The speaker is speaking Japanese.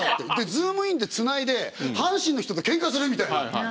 「ズームイン！！」でつないで阪神の人とケンカするみたいな。